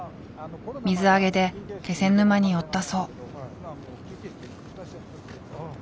水揚げで気仙沼に寄ったそう。